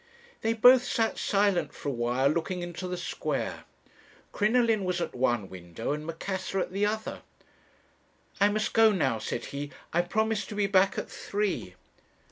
"They both sat silent for a while, looking into the square Crinoline was at one window, and Macassar at the other: 'I must go now,' said he: 'I promised to be back at three.'